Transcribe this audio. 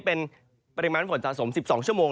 เป็นปริมาณฝนสะสม๑๒ชั่วโมง